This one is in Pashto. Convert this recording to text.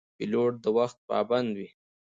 پیلوټ د وخت پابند وي.